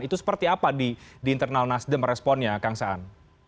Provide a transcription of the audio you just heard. itu seperti apa di internal nasdem responnya kang saan